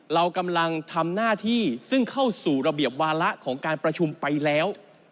เรากำลังทำหน้าที่ซึ่งเข้าสู่ระเบียบวาระของการประชุมไปแล้ว